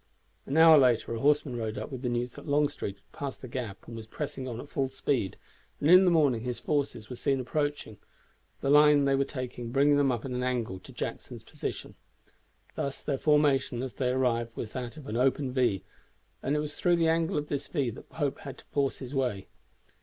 An hour later a horseman rode up with the news that Longstreet had passed the Gap and was pressing on at full speed, and in the morning his forces were seen approaching, the line they were taking bringing them up at an angle to Jackson's position. Thus their formation as they arrived was that of an open V, and it was through the angle of this V that Pope had to force his way.